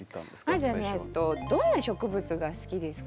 まずはねどんな植物が好きですか？